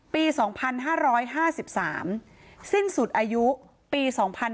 ปี๒๕๕๓สิ้นสุดอายุปี๒๕๕๙